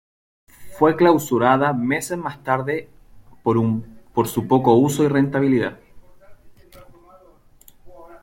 Fue clausurada meses más tarde por su poco uso y rentabilidad.